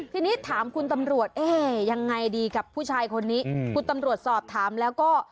ทีนี้ถามคุณตำรวจเอ๊ยังไงดีกับผู้ชายคนนี้คุณตำรวจสอบถามแล้วก็